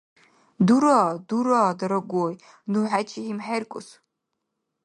– Дура, дура, дарагой, ну хӀечи гьимхӀеркӀус.